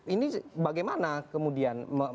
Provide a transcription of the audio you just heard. ini bagaimana kemudian